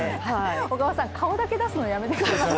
小川さん、顔だけ出すのやめてください。